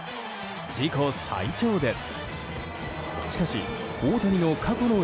自己最長です。